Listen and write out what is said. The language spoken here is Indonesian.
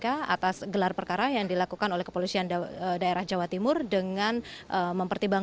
ahli bahasa ahli dari kementerian